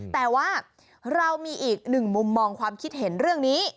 แต่ว่าเรามีอีกหนึ่งมุมมองความคิดเห็นเรื่องนี้